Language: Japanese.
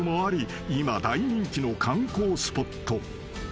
今大人気の観光スポット］